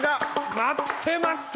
待ってました！